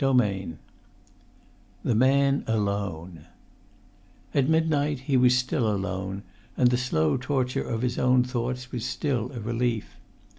[Pg 45] V THE MAN ALONE At midnight he was still alone, and the slow torture of his own thoughts was still a relief.